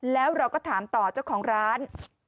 แล้วเราก็ถามต่อเจ้าของร้าน